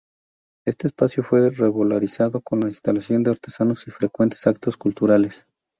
Este espacio fue revalorizado con la instalación de artesanos y frecuentes actos culturales.